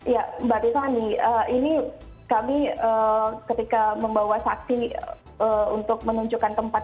ya mbak tiffany ini kami ketika membawa saksi untuk menunjukkan tempat